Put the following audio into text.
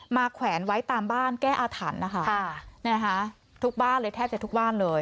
แขวนไว้ตามบ้านแก้อาถรรพ์นะคะทุกบ้านเลยแทบจะทุกบ้านเลย